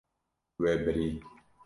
We birî.